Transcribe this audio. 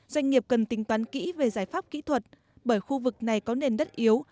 doanh nghiệp cần tính toán kỹ về giải pháp kỹ thuật bởi khu vực này có nền đất yếu